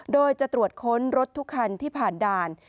โดยจะตรวจค้นรถทุกคันที่ผ่านด่าน